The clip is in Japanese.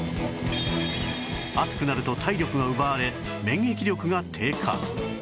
熱くなると体力が奪われ免疫力が低下